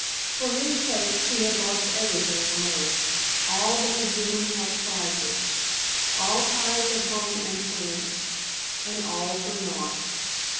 For his sake she had lost everything on earth all that the human heart prizes; all ties of home and friends; and all for naught.